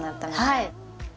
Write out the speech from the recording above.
はい。